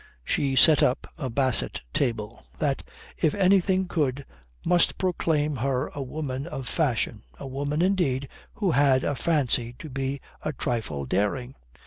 She set up a basset table. That, if anything could, must proclaim her a woman of fashion a woman, indeed, who had a fancy to be a trifle daring.